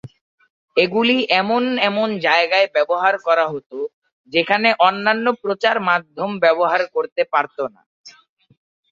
এগুলি এমন এমন জায়গায় ব্যবহার করা হত যেখানে অন্যান্য প্রচার মাধ্যম ব্যবহার করতে পারত না।